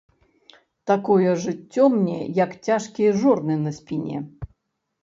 Такое жыццё мне, як цяжкія жорны на спіне.